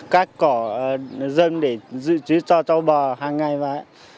bỏ dân để dự trí cho châu bò hàng ngày vào